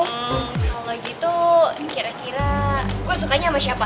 hmm kalau gitu kira kira gue sukanya sama siapa